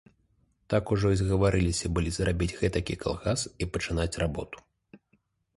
Так ужо і згаварыліся былі зрабіць гэтакі калгас і пачынаць работу.